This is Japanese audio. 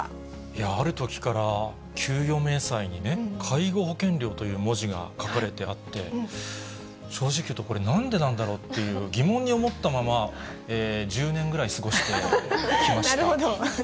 いやー、あるときから給与明細にね、介護保険料という文字が書かれてあって、正直いうと、これ、なんでなんだろうと疑問に思ったまま１０年ぐらい過ごしてきましなるほど。